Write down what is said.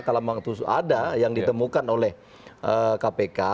kalau memang ada yang ditemukan oleh kpk